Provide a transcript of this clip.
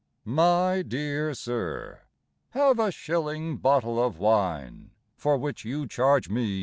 My dear Sir, Have a shilling bottle of wine (For which you charge me 3s.